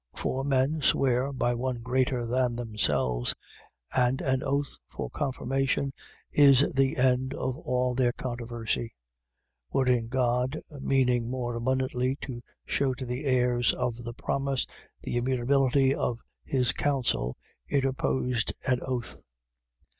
6:16. For men swear by one greater than themselves: and an oath for confirmation is the end of all their controversy. 6:17. Wherein God, meaning more abundantly to shew to the heirs of the promise the immutability of his counsel, interposed an oath: 6:18.